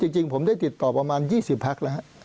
จริงผมได้ติดต่อประมาณ๒๐พักแล้วฮะ